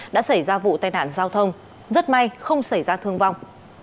đã xảy ra vụ tai nạn giao thông rất may không xảy ra thương vong